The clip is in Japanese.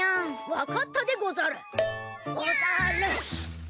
わかったでござる。